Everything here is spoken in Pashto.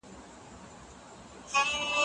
پوهنتوني اصول سره بېل دي.